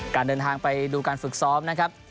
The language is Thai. การเดินทางไปดูการฝึกซ้อมนะครับ